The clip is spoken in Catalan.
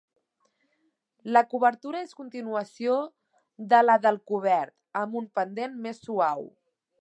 La coberta és continuació de la del cobert, amb un pendent més suau.